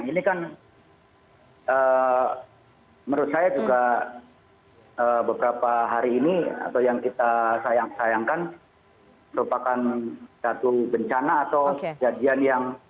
ini kan menurut saya juga beberapa hari ini atau yang kita sayang sayangkan merupakan satu bencana atau kejadian yang